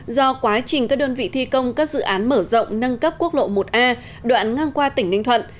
do quá trình các đơn vị thi công các dự án mở rộng nâng cấp quốc lộ một a đoạn ngang qua tỉnh ninh thuận